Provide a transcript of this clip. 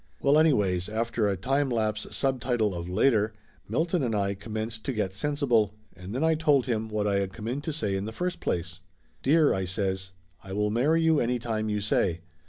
Well anyways, after a time lapse sub title of Later, Milton and I commenced to get sensible, and then I told him what I had come in to say in the first place. "Dear !" I says, "I will marry you any time you say.